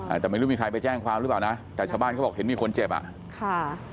แต่ไม่รู้มีใครไปแจ้งความหรือเปล่านะแต่ชาวบ้านเขาบอกเห็นมีคนเจ็บอ่ะค่ะ